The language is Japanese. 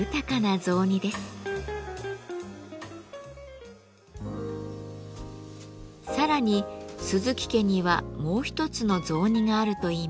更に鈴木家にはもう一つの雑煮があるといいます。